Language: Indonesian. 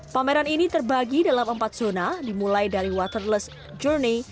pameran ini terbagi dalam empat zona dimulai dari waterless journey